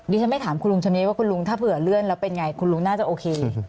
ฉันไม่ถามคุณลุงคนนี้ว่าคุณลุงถ้าเผื่อเลื่อนแล้วเป็นไงคุณลุงน่าจะโอเค